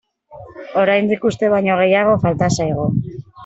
Oraindik uste baino gehiago falta zaigu.